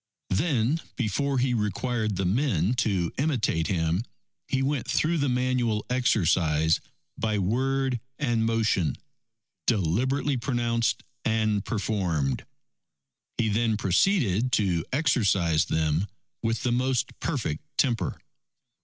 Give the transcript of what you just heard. Then before he required the men to imitate him, he went through the manual exercise by word and motion, deliberately pronounced and performed. He then proceeded to exercise them with the most perfect temper.